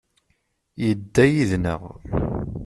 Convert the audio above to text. Yedda yid-neɣ.